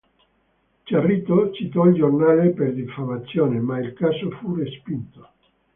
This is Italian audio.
Cerrito citò il giornale per diffamazione, ma il caso fu respinto.